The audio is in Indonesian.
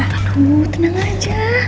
aduh tenang aja